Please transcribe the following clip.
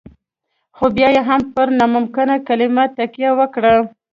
خو بيا يې هم پر ناممکن کلمه تکيه وکړه.